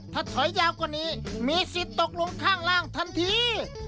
ถ้าถอยยาวกว่านี้มีสิทธิ์ตกลงข้างล่างทันที